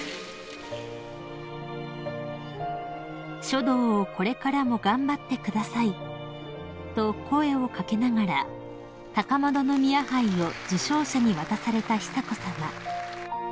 ［「書道をこれからも頑張ってください」と声を掛けながら高円宮杯を受賞者に渡された久子さま］